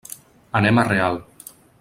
Anem a Real.